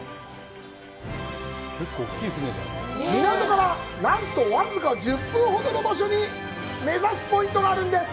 港から僅か１０分ほど離れた場所に目指すポイントがあるんです。